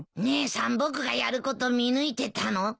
姉さん僕がやること見抜いてたの？